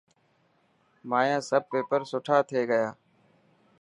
مانيا سڀ پيپر سٺا ٿي گيا.